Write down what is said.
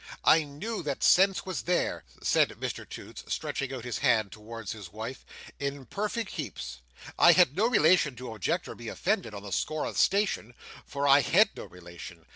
I knew that sense was There," said Mr Toots, stretching out his hand towards his wife, "in perfect heaps. I had no relation to object or be offended, on the score of station; for I had no relation.